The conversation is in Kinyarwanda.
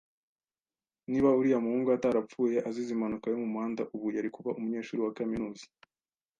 Niba uriya muhungu atarapfuye azize impanuka yo mumuhanda, ubu yari kuba umunyeshuri wa kaminuza.